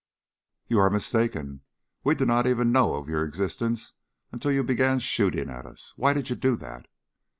"You are mistaken. We did not even know of your existence until you began shooting at us. Why did you do that?"